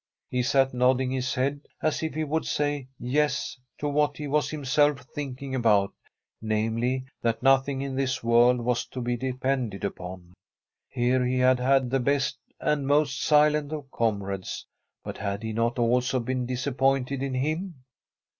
He sat nodding his head, as if he would say * Yes ' to what he was himself think ing about, namely, that nothing in this world was to be depended upon. Here he had had the best and most silent of comrades, but had he not also been disappointed in him?